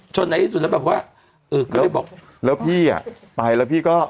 ในที่สุดแล้วแบบว่าเออก็เลยบอกแล้วพี่อ่ะไปแล้วพี่ก็